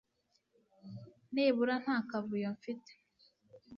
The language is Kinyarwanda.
nibura nta kavuyo mfite !